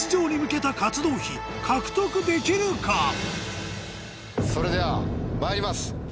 今回それではまいります。